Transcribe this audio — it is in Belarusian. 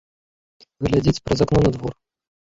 Глядзіць праз акно на двор.